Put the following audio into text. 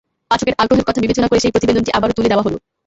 পাঠকের আগ্রহের কথা বিবেচনা করে সেই প্রতিবেদনটি আবারও তুলে দেওয়া হলো।